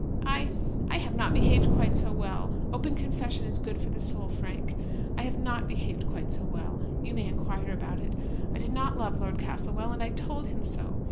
I I have not behaved quite so well. Open confession is good for the soul. Frank, I have not behaved quite so well. You may inquire about it. I did not love Lord Castlewell, and I told him so.